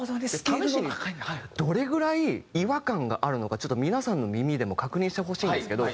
試しにどれぐらい違和感があるのかちょっと皆さんの耳でも確認してほしいんですけど。